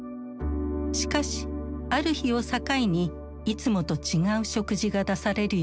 しかしある日を境にいつもと違う食事が出されるようになる。